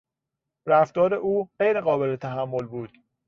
رفتار او غیر قابل تحمل بود.